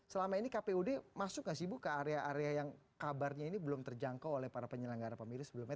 selama ini kpud masuk gak sih bu ke area area yang kabarnya ini belum terjangkau oleh para penyelenggara pemilu sebelumnya